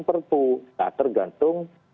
pertu nah tergantung